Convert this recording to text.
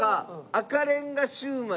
赤レンガシウマイ。